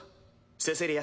セセリア。